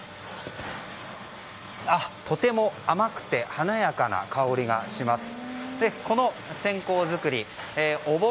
とても甘くて華やかな香りがします。